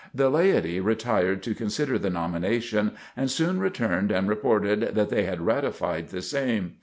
The laity retired to consider the nomination and soon returned and reported that they had ratified the same.